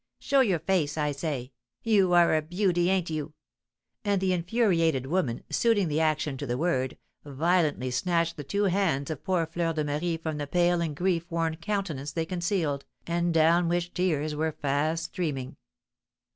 Show your face, I say! You are a beauty, ain't you?" And the infuriated woman, suiting the action to the word, violently snatched the two hands of poor Fleur de Marie from the pale and grief worn countenance they concealed, and down which tears were fast streaming.